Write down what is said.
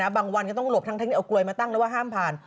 วันก็ต้องหลบทั้งที่เอากลวยมาตั้งแล้วว่าห้ามผ่าน